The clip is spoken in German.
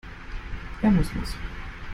Er muss los.